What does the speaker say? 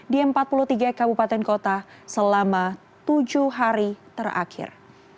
di empat puluh tiga kabupaten kota selama tujuh hari terakhir